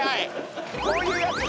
こういうやつね。